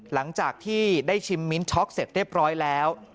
หลังจากที่ได้ชิมมิ้นช็อกเสร็จเรียบร้อยแล้ว